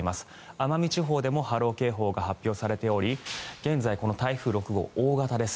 奄美地方でも波浪警報が発表されており現在、この台風６号大型です。